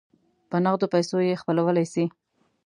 په نغدو پیسو یې خپلولای سی.